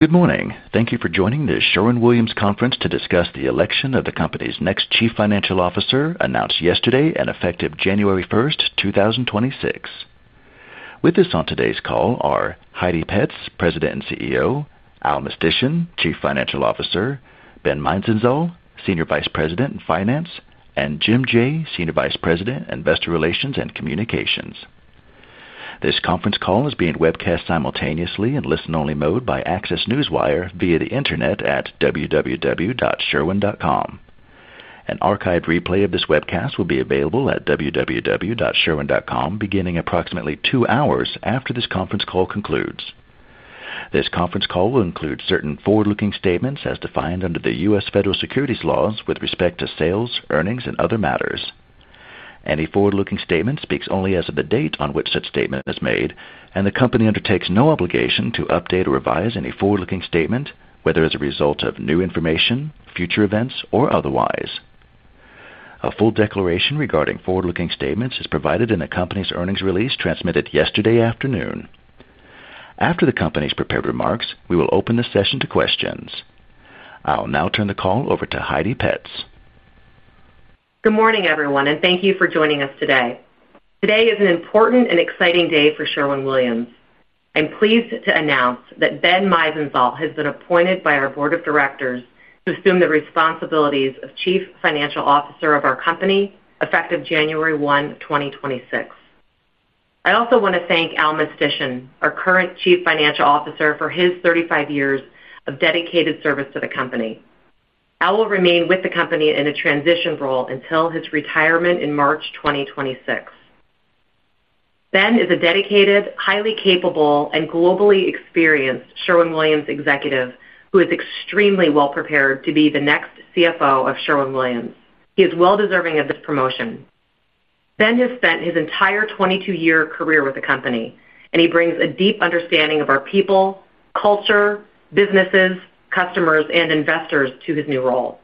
Good morning. Thank you for joining the Sherwin-Williams Conference to discuss the election of the company's next Chief Financial Officer, announced yesterday and effective January 1st, 2026. With us on today's call are Heidi Petz, President and CEO, Al Mistysyn, Chief Financial Officer, Ben Meisenzahl, Senior Vice President, Finance, and Jim Jaye, Senior Vice President, Investor Relations and Communications. This conference call is being webcast simultaneously in listen-only mode by Access Newswire via the Internet at www.sherwin-williams.com. An archived replay of this webcast will be available at www.sherwin-williams.com beginning approximately two hours after this conference call concludes. This conference call will include certain forward-looking statements as defined under the U.S. Federal Securities Laws with respect to sales, earnings, and other matters. Any forward-looking statement speaks only as of the date on which such statement is made, and the company undertakes no obligation to update or revise any forward-looking statement, whether as a result of new information, future events, or otherwise. A full declaration regarding forward-looking statements is provided in the company's earnings release transmitted yesterday afternoon. After the company's prepared remarks, we will open the session to questions. I'll now turn the call over to Heidi Petz. Good morning, everyone, and thank you for joining us today. Today is an important and exciting day for Sherwin-Williams. I'm pleased to announce that Ben Meisenzahl has been appointed by our Board of Directors to assume the responsibilities of Chief Financial Officer of our company effective January 1, 2026. I also want to thank Al Mistysyn, our current Chief Financial Officer, for his 35 years of dedicated service to the company. Al will remain with the company in a transition role until his retirement in March 2026. Ben is a dedicated, highly capable, and globally experienced Sherwin-Williams executive who is extremely well prepared to be the next CFO of Sherwin-Williams. He is well deserving of this promotion. Ben has spent his entire 22-year career with the company, and he brings a deep understanding of our people, culture, businesses, customers, and investors to his new role.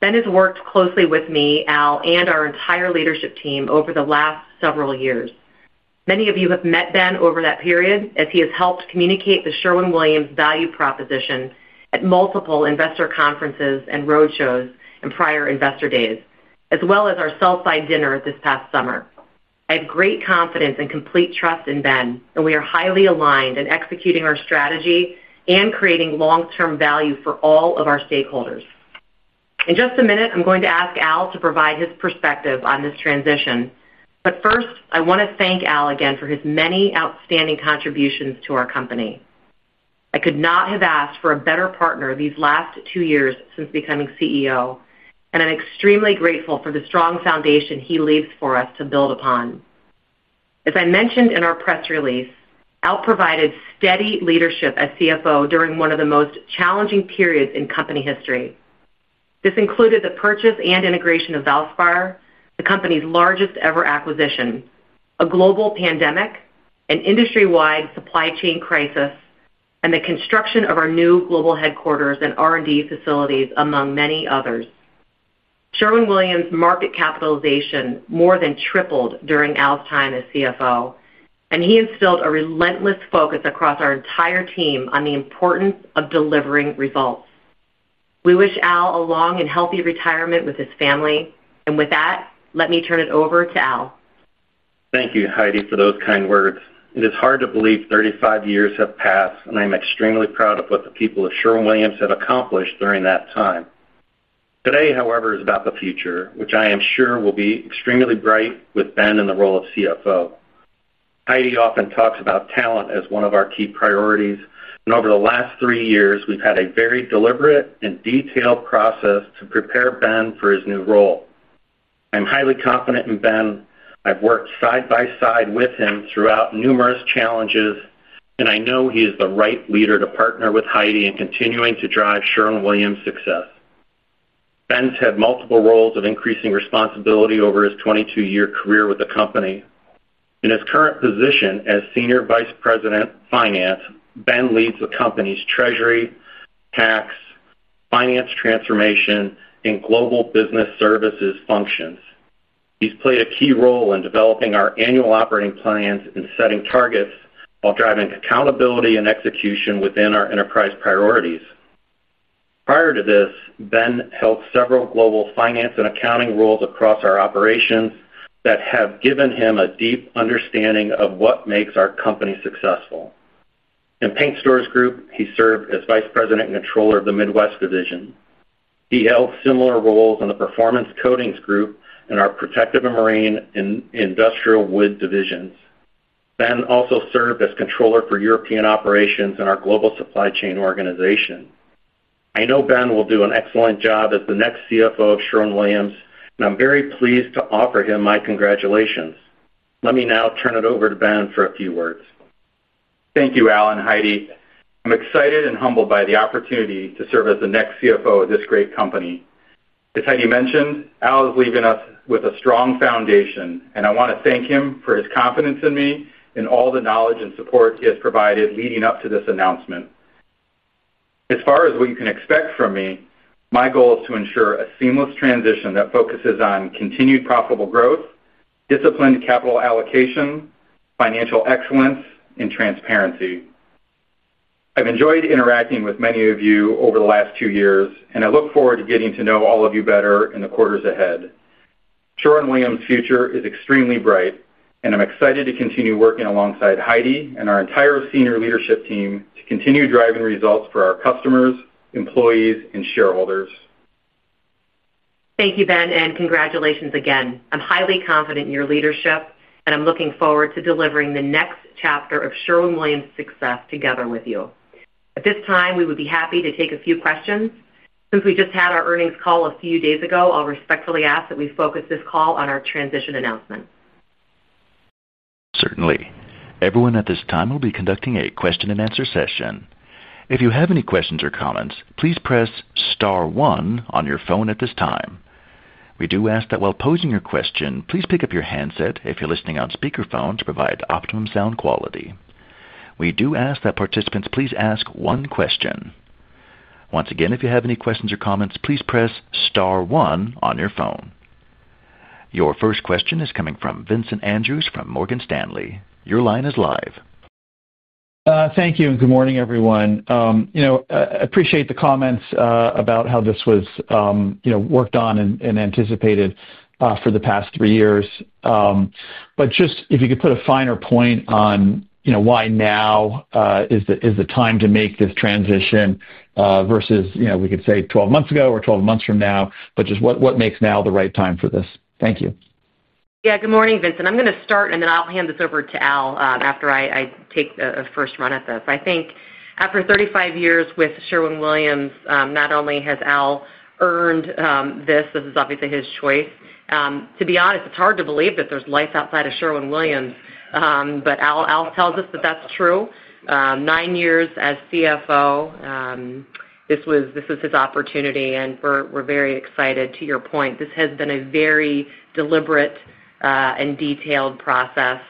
Ben has worked closely with me, Al, and our entire leadership team over the last several years. Many of you have met Ben over that period as he has helped communicate the Sherwin-Williams value proposition at multiple investor conferences and roadshows and prior investor days, as well as our South Side Dinner this past summer. I have great confidence and complete trust in Ben, and we are highly aligned in executing our strategy and creating long-term value for all of our stakeholders. In just a minute, I'm going to ask Al to provide his perspective on this transition, but first, I want to thank Al again for his many outstanding contributions to our company. I could not have asked for a better partner these last two years since becoming CEO, and I'm extremely grateful for the strong foundation he leaves for us to build upon. As I mentioned in our press release, Al provided steady leadership as CFO during one of the most challenging periods in company history. This included the purchase and integration of Valspar, the company's largest-ever acquisition, a global pandemic, an industry-wide supply chain crisis, and the construction of our new global headquarters and R&D facilities, among many others. Sherwin-Williams' market capitalization more than tripled during Al's time as CFO, and he instilled a relentless focus across our entire team on the importance of delivering results. We wish Al a long and healthy retirement with his family, and with that, let me turn it over to Al. Thank you, Heidi, for those kind words. It is hard to believe 35 years have passed, and I'm extremely proud of what the people of Sherwin-Williams have accomplished during that time. Today, however, is about the future, which I am sure will be extremely bright with Ben in the role of CFO. Heidi often talks about talent as one of our key priorities, and over the last three years, we've had a very deliberate and detailed process to prepare Ben for his new role. I'm highly confident in Ben. I've worked side by side with him throughout numerous challenges, and I know he is the right leader to partner with Heidi in continuing to drive Sherwin-Williams' success. Ben's had multiple roles of increasing responsibility over his 22-year career with the company. In his current position as Senior Vice President, Finance, Ben leads the company's treasury, tax, finance transformation, and global business services functions. He's played a key role in developing our annual operating plans and setting targets while driving accountability and execution within our enterprise priorities. Prior to this, Ben held several global finance and accounting roles across our operations that have given him a deep understanding of what makes our company successful. In Paint Stores Group, he served as Vice President and Controller of the Midwest Division. He held similar roles in the Performance Coatings Group and our Protective and Marine and Industrial Wood Divisions. Ben also served as Controller for European Operations in our Global Supply Chain Organization. I know Ben will do an excellent job as the next CFO of Sherwin-Williams, and I'm very pleased to offer him my congratulations. Let me now turn it over to Ben for a few words. Thank you, Al and Heidi. I'm excited and humbled by the opportunity to serve as the next CFO of this great company. As Heidi mentioned, Al is leaving us with a strong foundation, and I want to thank him for his confidence in me and all the knowledge and support he has provided leading up to this announcement. As far as what you can expect from me, my goal is to ensure a seamless transition that focuses on continued profitable growth, disciplined capital allocation, financial excellence, and transparency. I've enjoyed interacting with many of you over the last two years, and I look forward to getting to know all of you better in the quarters ahead. Sherwin-Williams' future is extremely bright, and I'm excited to continue working alongside Heidi and our entire senior leadership team to continue driving results for our customers, employees, and shareholders. Thank you, Ben, and congratulations again. I'm highly confident in your leadership, and I'm looking forward to delivering the next chapter of Sherwin-Williams' success together with you. At this time, we would be happy to take a few questions. Since we just had our earnings call a few days ago, I'll respectfully ask that we focus this call on our transition announcement. Certainly. Everyone at this time will be conducting a question-and-answer session. If you have any questions or comments, please press star one on your phone at this time. We do ask that while posing your question, please pick up your handset if you're listening on speakerphone to provide optimum sound quality. We do ask that participants please ask one question. Once again, if you have any questions or comments, please press star one on your phone. Your first question is coming from Vincent Andrews from Morgan Stanley. Your line is live. Thank you. Good morning, everyone. I appreciate the comments about how this was worked on and anticipated for the past three years. But just if you could put a finer point on why now is the time to make this transition versus we could say 12 months ago or 12 months from now, but just what makes now the right time for this? Thank you. Yeah. Good morning, Vincent. I'm going to start, and then I'll hand this over to Al after I take a first run at this. I think after 35 years with Sherwin-Williams, not only has Al earned this, this is obviously his choice, to be honest, it's hard to believe that there's life outside of Sherwin-Williams, but Al tells us that that's true. Nine years as CFO. This is his opportunity, and we're very excited. To your point, this has been a very deliberate and detailed process.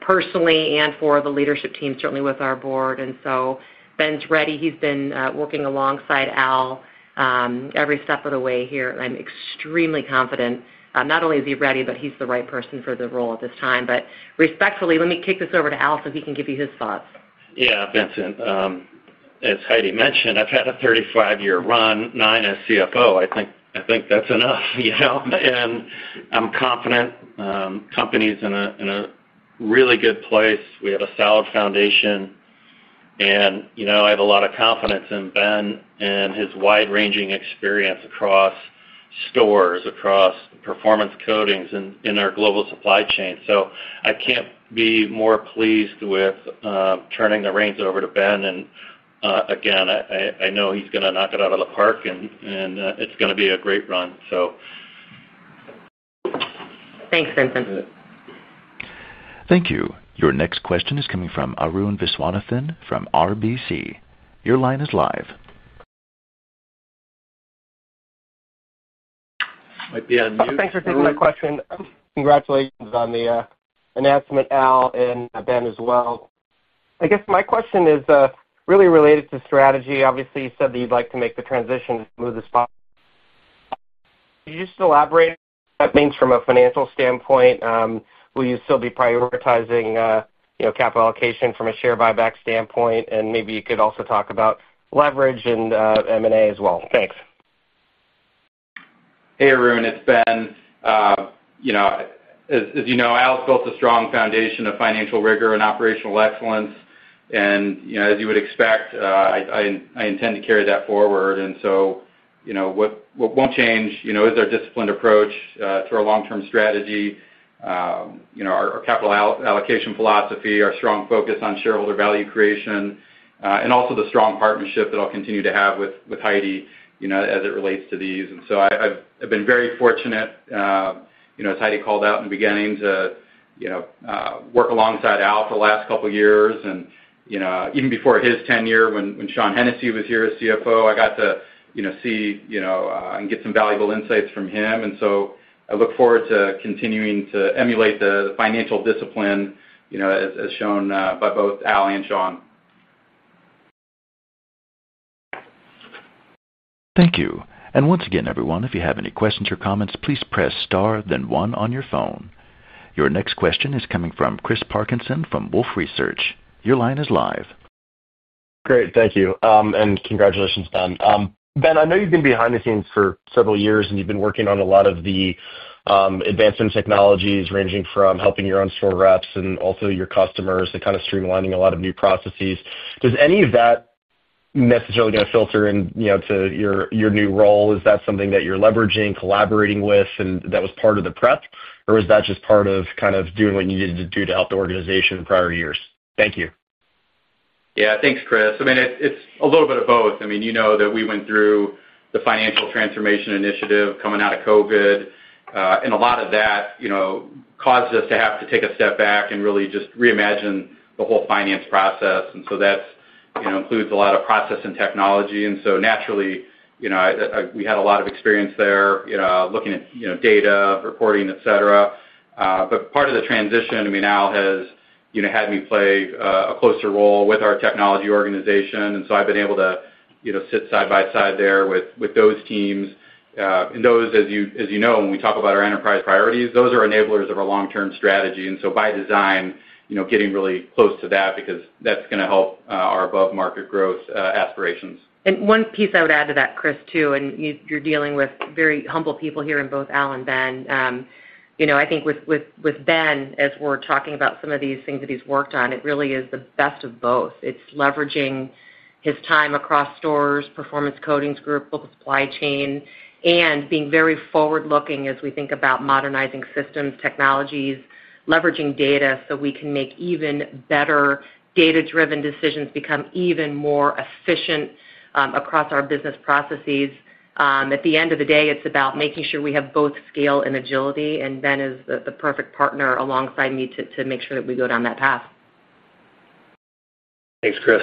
Personally and for the leadership team, certainly with our board, and so Ben's ready. He's been working alongside Al. Every step of the way here. I'm extremely confident. Not only is he ready, but he's the right person for the role at this time, but respectfully, let me kick this over to Al so he can give you his thoughts. Yeah, Vincent. As Heidi mentioned, I've had a 35-year run, nine as CFO. I think that's enough. And I'm confident. The company's in a really good place. We have a solid foundation. And I have a lot of confidence in Ben and his wide-ranging experience across stores, across performance coatings, and in our global supply chain. So I can't be more pleased with turning the reins over to Ben. And again, I know he's going to knock it out of the park, and it's going to be a great run, so. Thanks, Vincent. Thank you. Your next question is coming from Arun Viswanathan from RBC. Your line is live. Thanks for taking my question. Congratulations on the announcement, Al, and Ben as well. I guess my question is really related to strategy. Obviously, you said that you'd like to make the transition, move the spot. Could you just elaborate what that means from a financial standpoint? Will you still be prioritizing capital allocation from a share buyback standpoint? And maybe you could also talk about leverage and M&A as well. Thanks. Hey, Arun. It's Ben. As you know, Al's built a strong foundation of financial rigor and operational excellence. And as you would expect, I intend to carry that forward. And so, what won't change is our disciplined approach to our long-term strategy, our capital allocation philosophy, our strong focus on shareholder value creation, and also the strong partnership that I'll continue to have with Heidi as it relates to these. And so I've been very fortunate, as Heidi called out in the beginning, to work alongside Al for the last couple of years. And even before his tenure, when Sean Hennessy was here as CFO, I got to see and get some valuable insights from him. And so I look forward to continuing to emulate the financial discipline as shown by both Al and Sean. Thank you. And once again, everyone, if you have any questions or comments, please press star then one on your phone. Your next question is coming from Chris Parkinson from Wolfe Research. Your line is live. Great. Thank you. And congratulations, Ben. Ben, I know you've been behind the scenes for several years, and you've been working on a lot of the advancement technologies ranging from helping your own store reps and also your customers to kind of streamlining a lot of new processes. Does any of that necessarily going to filter into your new role? Is that something that you're leveraging, collaborating with, and that was part of the prep? Or was that just part of kind of doing what you needed to do to help the organization in prior years? Thank you. Yeah. Thanks, Chris. I mean, it's a little bit of both. I mean, you know that we went through the financial transformation initiative coming out of COVID. And a lot of that caused us to have to take a step back and really just reimagine the whole finance process. And so that includes a lot of process and technology. And so naturally, we had a lot of experience there looking at data, reporting, etc. But part of the transition, I mean, Al has had me play a closer role with our technology organization. And so I've been able to sit side by side there with those teams. And those, as you know, when we talk about our enterprise priorities, those are enablers of our long-term strategy. And so by design, getting really close to that because that's going to help our above-market growth aspirations. And one piece I would add to that, Chris, too, and you're dealing with very humble people here in both Al and Ben. I think with Ben, as we're talking about some of these things that he's worked on, it really is the best of both. It's leveraging his time across stores, performance coatings group, local supply chain, and being very forward-looking as we think about modernizing systems, technologies, leveraging data so we can make even better data-driven decisions, become even more efficient across our business processes. At the end of the day, it's about making sure we have both scale and agility, and Ben is the perfect partner alongside me to make sure that we go down that path. Thanks, Chris.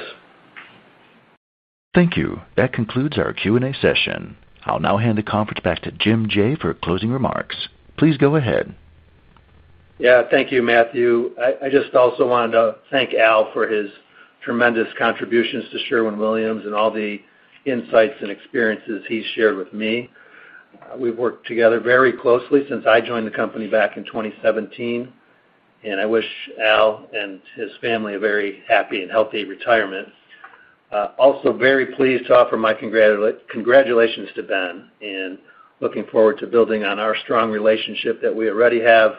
Thank you. That concludes our Q&A session. I'll now hand the conference back to Jim Jaye for closing remarks. Please go ahead. Yeah. Thank you, Matthew. I just also wanted to thank Al for his tremendous contributions to Sherwin-Williams and all the insights and experiences he's shared with me. We've worked together very closely since I joined the company back in 2017. And I wish Al and his family a very happy and healthy retirement. Also very pleased to offer my congratulations to Ben and looking forward to building on our strong relationship that we already have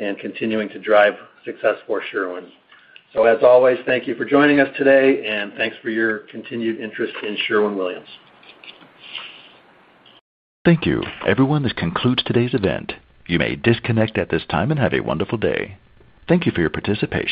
and continuing to drive success for Sherwin. So as always, thank you for joining us today, and thanks for your continued interest in Sherwin-Williams. Thank you. Everyone, this concludes today's event. You may disconnect at this time and have a wonderful day. Thank you for your participation.